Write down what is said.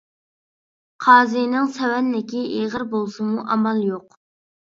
قازىنىڭ سەۋەنلىكى ئېغىر بولسىمۇ ئامال يوق.